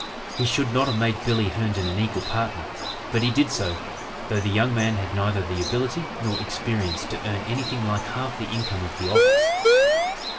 He should not have made "Billy" Herndon an equal partner, but he did so, though the young man had neither the ability nor experience to earn anything like half the income of the office.